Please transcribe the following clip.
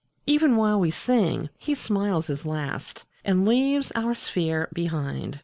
37 Even while we sing he smiles his last And leaves our sphere behind.